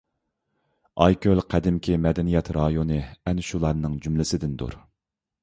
ئايكۆل قەدىمكى مەدەنىيەت رايونى ئەنە شۇلارنىڭ جۈملىسىدىندۇر.